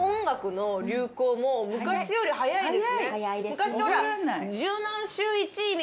昔ってほら。